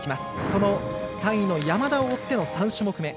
その３位の山田を追っての３種目め。